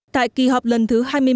tại kỳ họp lần thứ hai mươi một